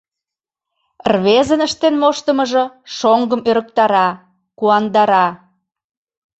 Рвезын ыштен моштымыжо шоҥгым ӧрыктара, куандара.